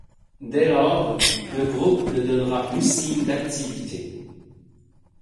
Dès lors, le groupe ne donnera plus signe d'activité.